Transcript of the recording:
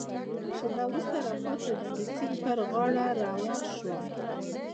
شېبه وروسته را پاڅېدم، د سیند پر غاړه روان شوم.